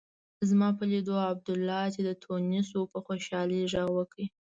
زما په لیدو عبدالله چې د تونس و په خوشالۍ غږ وکړ.